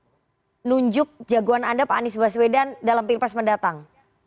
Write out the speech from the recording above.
menunjuk jagoan anda pak anies baswedan dalam pilpres mendatang